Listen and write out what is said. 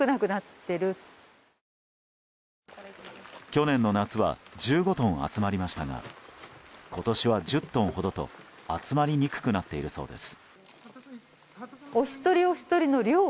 去年の夏は１５トン集まりましたが今年は１０トンほどと集まりにくくなっているそうです。